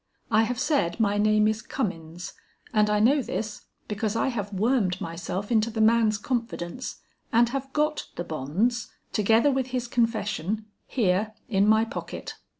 "I have said my name is Cummins, and I know this, because I have wormed myself into the man's confidence and have got the bonds, together with his confession, here in my pocket."